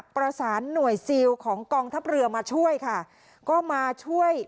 ประสานหน่วยซีลของกองทัพเรือมาช่วย